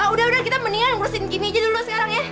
udah udah kita mendingan ngurusin gini aja dulu sekarang ya